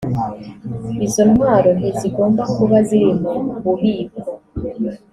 izo ntwaro ntizigomba kuba ziri mu bubiko.